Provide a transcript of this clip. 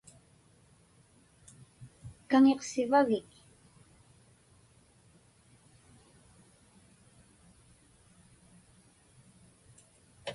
Kaŋiqsivagik?